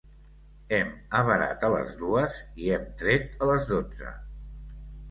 Hem avarat a les dues i hem tret a les dotze.